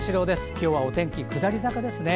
今日はお天気下り坂ですね。